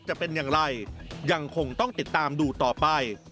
จะเป็นอย่างไรยังคงต้องติดตามดูต่อไป